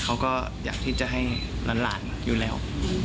เขาก็อยากที่จะให้หลานอยู่แล้ว